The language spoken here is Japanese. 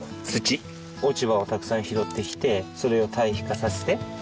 落ち葉をたくさん拾ってきてそれを堆肥化させて。